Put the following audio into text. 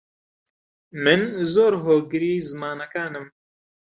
من زۆر هۆگری زمانەکانم.